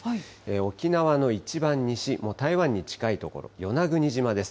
沖縄の一番西、台湾に近い所、与那国島です。